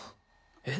え？